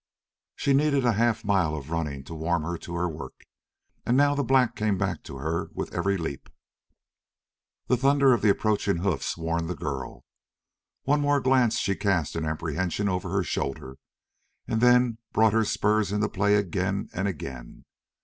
She needed a half mile of running to warm her to her work, and now the black came back to her with every leap. The thunder of the approaching hoofs warned the girl. One more glance she cast in apprehension over her shoulder, and then brought her spurs into play again and again.